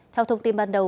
theo thông tin ban đầu